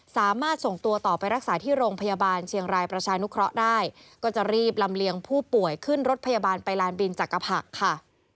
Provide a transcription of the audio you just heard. สามารถส่งตัวต่อไปรักษาที่โรงพยาบาลเชียงรายประชานุเคราะห์ได้ก็จะรีบลำเลียงผู้ป่วยขึ้นรถพยาบาลไปลานบินจักรพรรคค่ะ